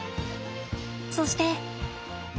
そして。